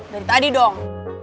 dari tadi dong